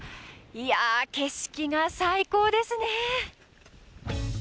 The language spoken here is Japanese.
いやー、景色が最高ですね。